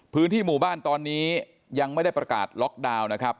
พื้นที่หมู่บ้านตอนนี้ยังไม่ได้ประกาศล็อกดาวน์นะครับ